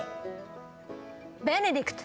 「ベネディクト」